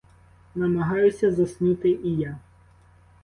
Намагаюся заснути і я.